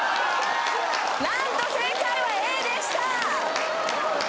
なんと正解はＡでした！